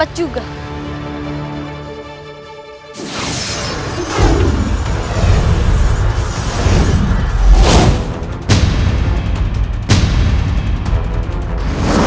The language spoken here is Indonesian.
aku pergi dulu ibu nda